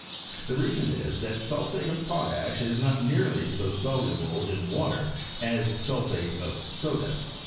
The reason is, that sulphate of potash is not nearly so soluble in water as sulphate of soda.